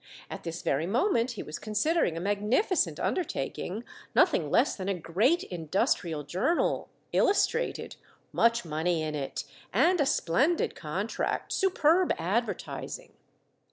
At this very moment he was considering a magnificent under taking, nothing less than a great industrial journal, illustrated ! Much money in it, and a splendid contract, superb advertising